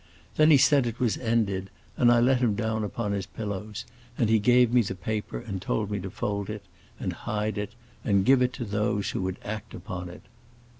Then he said it was ended, and I let him down upon his pillows and he gave me the paper and told me to fold it, and hide it, and give it to those who would act upon it.